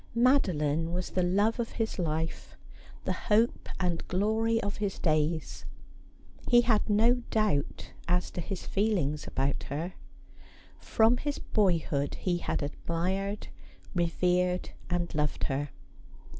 Madoline was the love of his life, the hope and glory of his days. He had no doubt as to his feelings about her. From his boyhood he had admired, revered, and loved her.